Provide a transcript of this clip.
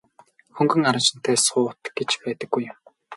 Хөнгөн араншинтай суут гэж байдаггүй юм.